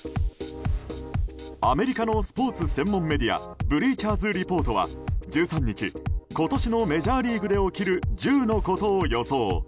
アメリカのスポーツ専門メディアブリーチャーズ・リポートは１３日今年のメジャーリーグで起きる１０のことを予想。